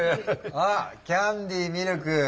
あキャンディミルク。